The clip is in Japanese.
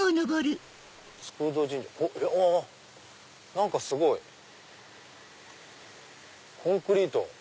何かすごい！コンクリート。